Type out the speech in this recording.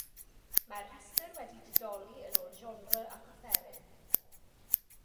Mae'r rhestr wedi'i didoli yn ôl genre ac offeryn.